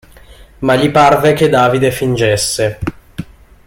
Ma gli parve che Davide fingesse.